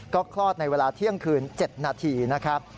ก็คลอดในเวลาเที่ยงคืน๗นาทีนะครับ